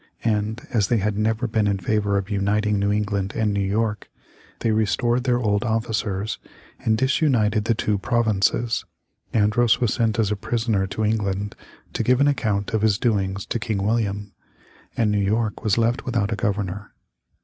And as they had never been in favor of uniting New England and New York, they restored their old officers and disunited the two provinces, Andros was sent a prisoner to England to give an account of his doings to King William, and New York was left without a Governor.